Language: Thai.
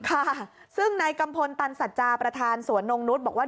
ค่ะซึ่งนายกัมพลตันสัจจาประธานสวนนงนุษย์บอกว่า